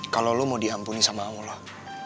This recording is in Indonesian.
kau mampuni sama allah